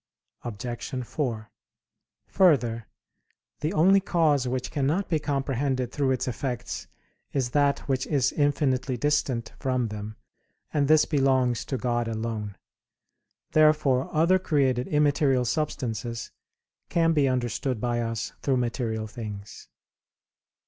Obj. 4: Further, the only cause which cannot be comprehended through its effects is that which is infinitely distant from them, and this belongs to God alone. Therefore other created immaterial substances can be understood by us through material things.